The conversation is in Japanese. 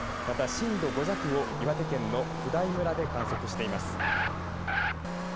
また震度５弱を岩手県の普代村で観測しています。